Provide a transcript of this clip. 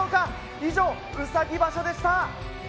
以上、うさぎ場所でした。